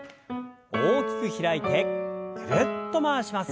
大きく開いてぐるっと回します。